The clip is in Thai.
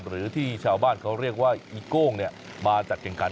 หรือที่ชาวบ้านเขาเรียกว่าอีโก้งมาจัดแข่งขัน